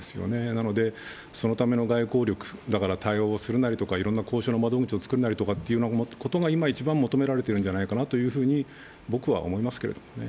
なのでそのための外交力、対応するなりとかいろんな交渉の窓口をつくるなりということが今一番求められているのではないかなと僕は思いますけどね。